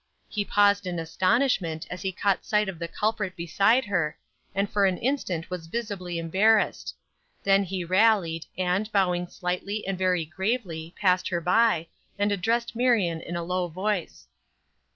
He paused in astonishment as he caught sight of the culprit beside her, and for an instant was visibly embarrassed; then he rallied, and, bowing slightly and very gravely, passed her by, and addressed Marion in a low voice.